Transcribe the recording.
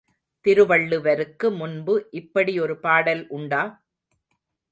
திருவள்ளுவருக்கு முன்பு இப்படி ஒரு பாடல் உண்டா?